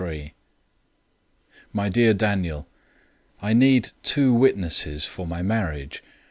My Dear Daniel, I need two witnesses for my marriage.